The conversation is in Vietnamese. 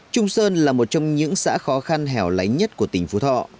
trung sơn là một trong những xã khó khăn hẻo lánh nhất của tỉnh phú thọ